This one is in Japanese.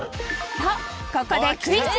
とここでクイズ。